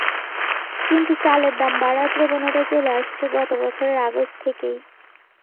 কিন্তু চালের দাম বাড়ার প্রবণতা চলে আসছে গত বছরের আগস্ট থেকেই।